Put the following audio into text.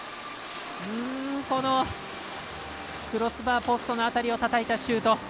このクロスバー、ポストの辺りをたたいたシュート。